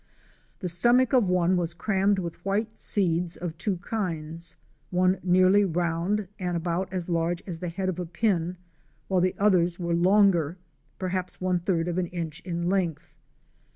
The stomach of one was crammed with white seeds of two kinds; one nearly round and about as large as the head of a pin, while the others were longer, perhaps one third of an inch in length.